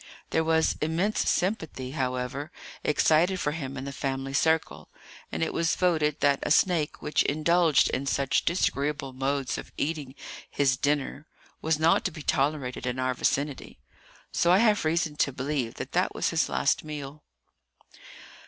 There was immense sympathy, however, excited for him in the family circle; and it was voted that a snake which indulged in such very disagreeable modes of eating his dinner was not to be tolerated in our vicinity. So I have reason to believe that that was his last meal.